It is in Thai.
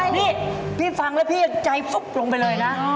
นี่พี่ฟังแล้วพี่ยังใจฟุบลงไปเลยนะ